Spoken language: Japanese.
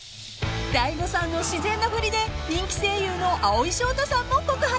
［大悟さんの自然な振りで人気声優の蒼井翔太さんも告白］